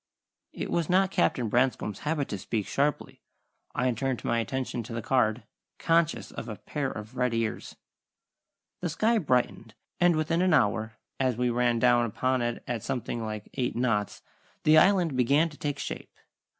It was not Captain Branscome's habit to speak sharply. I turned my attention to the card, conscious of a pair of red ears. The sky brightened, and within an hour, as we ran down upon it at something like eight knots, the Island began to take shape.